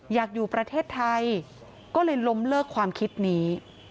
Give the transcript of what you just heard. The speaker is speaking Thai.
อยากอยู่ประเทศไทยก็เลยล้มเลิกความคิดนี้